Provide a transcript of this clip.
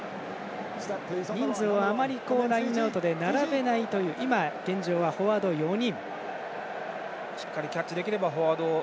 人数をあまりラインアウトで今、現状はフォワード４人。